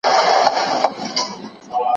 زه مخکي سبزیجات جمع کړي وو،